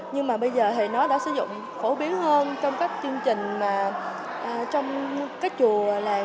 nhưng mà bây giờ thì nó đã sử dụng phổ biến hơn trong các chương trình trong các chùa làng